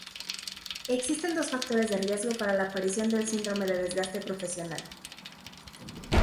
Existen dos factores de riesgo para la aparición del síndrome de desgaste profesional.